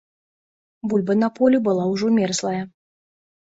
Бульба на полі была ўжо мерзлая.